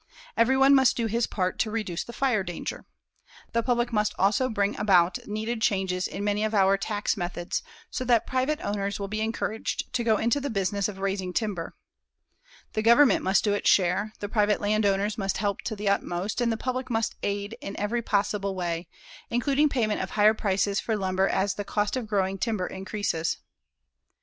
Everyone must do his part to reduce the fire danger. The public must also bring about needed changes in many of our tax methods so that private owners will be encouraged to go into the business of raising timber. The Government must do its share, the private landowner must help to the utmost and the public must aid in every possible way, including payment of higher prices for lumber as the cost of growing timber increases.